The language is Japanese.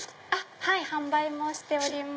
はい販売もしております。